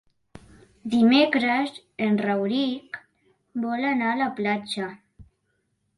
Dimecres en Rauric vol anar a la platja.